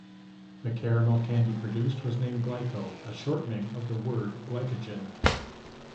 The caramel candy product was named "Glico," a shortening of the word glycogen.